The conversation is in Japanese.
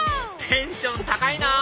テンション高いなぁ！